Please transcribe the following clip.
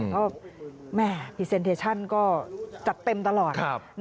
ก็แม่พรีเซนเทชั่นก็จัดเต็มตลอด